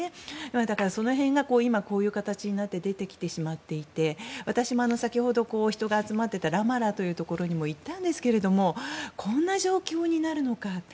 だから、その辺が、こういう形で出てきてしまっていて私も先ほど人が集まってたラマラというところにも行ったんですがこんな状況になるのかと。